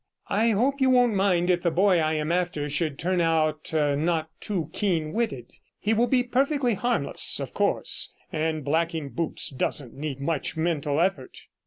I hope you won't mind if the boy I am after should turn out not too keen witted; he will be perfectly harmless, of course, and blacking boots doesn't need much mental effort.'